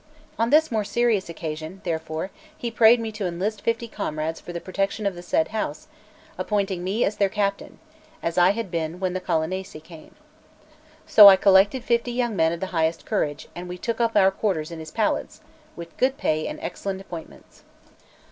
On this more serious occasion, therefore, he prayed me to enlist fifty comrades for the protection of the said house, appointing me their captain, as I had been when the Colonnesi came. So I collected fifty young men of the highest courage, and we took up our quarters in his palace, with good pay and excellent appointments.